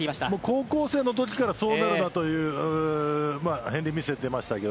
高校生のときからそうなるなという片りんを見せていました。